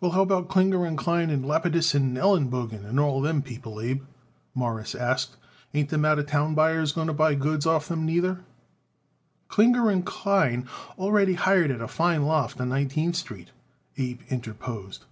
"Well, how about Klinger & Klein, Lapidus & Elenbogen, and all them people, Abe?" Morris asked. "Ain't them out of town buyers going to buy goods off of them neither?" "Klinger & Klein already hire it a fine loft on Nineteenth Street," Abe interposed.